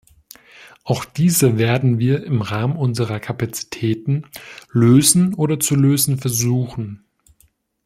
Auch diese werden wir im Rahmen unserer Kapazitäten lösen oder zu lösen versuchen.